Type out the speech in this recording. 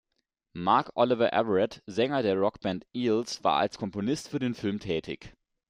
Mark Oliver Everett, Sänger der Rockband Eels, war als Komponist für den Film tätig.